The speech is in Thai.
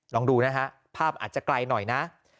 ลองดูนะฮะภาพอาจจะไกลหน่อยนะ